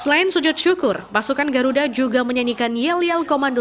selain sujud syukur pasukan garuda juga menyanyikan yelial komando